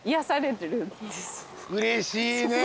うれしいね。